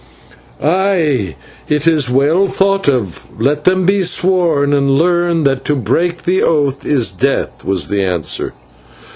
"Ay! it is well thought of. Let them be sworn, and learn that to break the oath is death," was the answer.